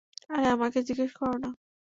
আরে, আমাকে জিজ্ঞেস করো না।